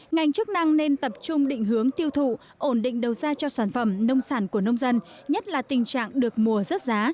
ngành chức năng nên tập trung định hướng tiêu thụ ổn định đầu ra cho sản phẩm nông sản của nông dân nhất là tình trạng được mùa rớt giá